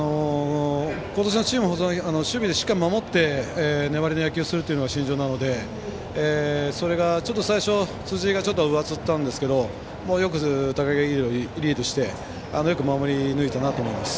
今年のチームは守備でしっかりと守って粘りの野球をするというのが信条なのでそれがちょっと最初辻井が上ずったんですけどよくリリーフしてよく守り抜いたなと思います。